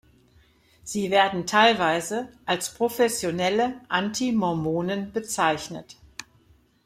Sie werden teilweise als professionelle Anti-Mormonen bezeichnet.